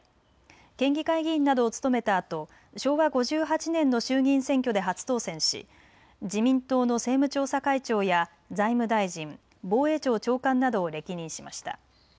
県議会議員などを務めたあと昭和５８年の衆議院選挙で初当選し自民党の政務調査会長や財務大臣、防衛庁長官などを歴任しました。